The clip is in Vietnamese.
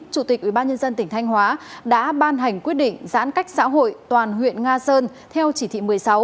chủ tịch ubnd tỉnh thanh hóa đã ban hành quyết định giãn cách xã hội toàn huyện nga sơn theo chỉ thị một mươi sáu